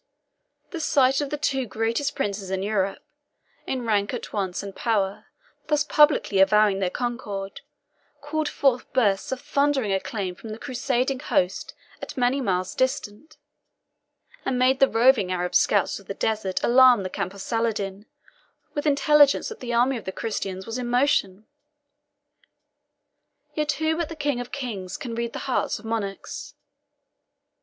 The sight of the two greatest princes in Europe, in rank at once and power, thus publicly avowing their concord, called forth bursts of thundering acclaim from the Crusading host at many miles distance, and made the roving Arab scouts of the desert alarm the camp of Saladin with intelligence that the army of the Christians was in motion. Yet who but the King of kings can read the hearts of monarchs?